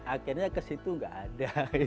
akhirnya ke situ nggak ada